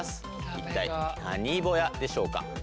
一体何ボヤでしょうか？